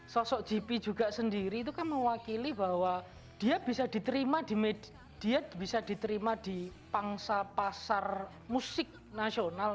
sosok jepi juga sendiri itu kan mewakili bahwa dia bisa diterima di pangsa pasar musik nasional